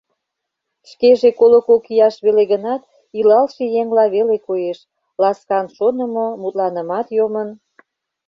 Шкеже коло кок ияш веле гынат, илалше еҥла веле коеш: ласкан шонымо, мутланымат йомын.